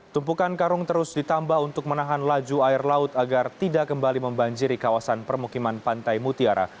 tumpukan karung terus ditambah untuk menahan laju air laut agar tidak kembali membanjiri kawasan permukiman pantai mutiara